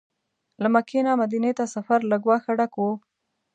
له مکې نه مدینې ته سفر له ګواښه ډک و.